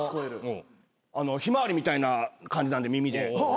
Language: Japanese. ヒマワリみたいな感じなんで耳で。